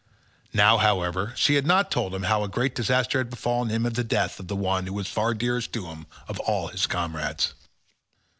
Now, however, she had not told him how great a disaster had befallen him in the death of the one who was far dearest to him of all his comrades.